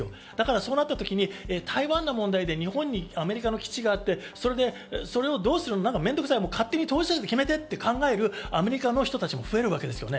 そうなったとき台湾の問題で日本にアメリカの基地があって、それをどうする、面倒くさい、当事者で決めてと考えるアメリカの人たちも増えるわけです。